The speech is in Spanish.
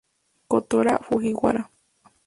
Kotaro Fujiwara